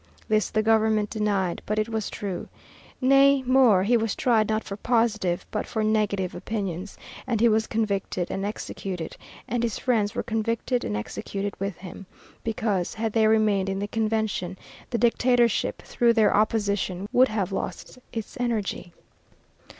This the government denied, but it was true. Nay, more; he was tried not for positive but for negative opinions, and he was convicted and executed, and his friends were convicted and executed with him, because, had they remained in the Convention, the Dictatorship, through their opposition, would have lost its energy.